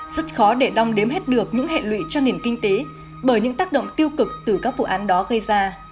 rất khó để đong đếm hết được những hệ lụy cho nền kinh tế bởi những tác động tiêu cực từ các vụ án đó gây ra